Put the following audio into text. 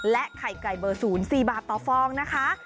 และไข่ไก่เบอร์ศูนย์๔บาทต่อฟองนะคะ